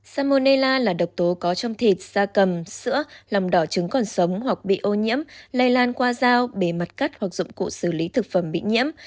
samonella là độc tố có trong thịt da cầm sữa làm đỏ trứng còn sống hoặc bị ô nhiễm lây lan qua dao bề mặt cắt hoặc dụng cụ xử lý thực phẩm bị nhiễm